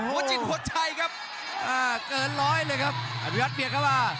จิตหัวใจครับเกินร้อยเลยครับอภิวัตเบียดเข้ามา